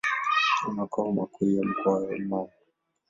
Ni makao makuu ya Mkoa wa Mara.